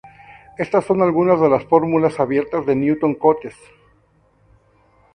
Estas son algunas de las fórmulas abiertas de Newton-Cotes.